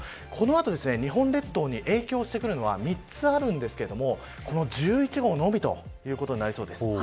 日本列島に影響してくるのは３つあるんですがこの１１号のみということになりそうです。